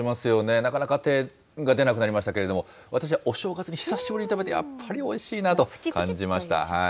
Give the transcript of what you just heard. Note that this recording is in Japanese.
なかなか手が出なくなりましたけれども、私はお正月に久しぶりに食べて、やっぱりおいしいなと感じました。